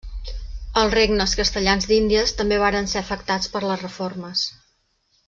Els regnes castellans d'Índies també varen ser afectats per les reformes.